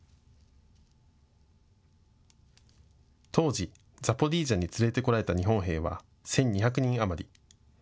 当時、ザポリージャに連れてこられた日本兵は１２００人余り。